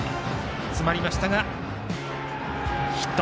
詰まりましたがヒット。